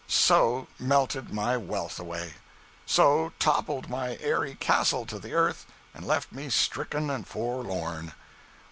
So melted my wealth away. So toppled my airy castle to the earth and left me stricken and forlorn.